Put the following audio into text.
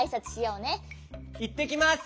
いってきます。